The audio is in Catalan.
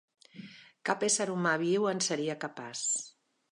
Cap ésser humà viu en seria capaç.